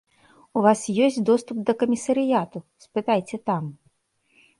У вас ёсць доступ да камісарыяту, спытайце там.